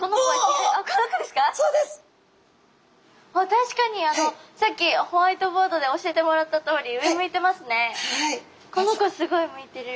確かにさっきホワイトボードで教えてもらったとおりこの子すごい向いてる。